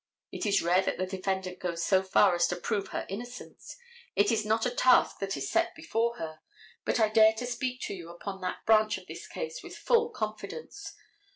It is rare that the defendant goes so far as to prove her innocence. It is not a task that is set before her. But I dare to speak to you upon that branch in this case with full confidence.